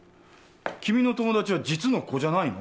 君の友達は実の子じゃないの？